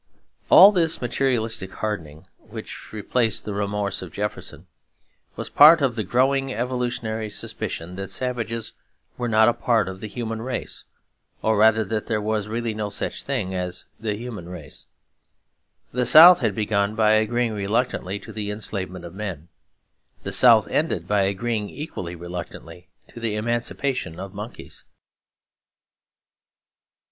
All this materialistic hardening, which replaced the remorse of Jefferson, was part of the growing evolutionary suspicion that savages were not a part of the human race, or rather that there was really no such thing as the human race. The South had begun by agreeing reluctantly to the enslavement of men. The South ended by agreeing equally reluctantly to the emancipation of monkeys.